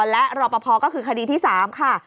และรอปภก็คือคดีที่๓ค่ะ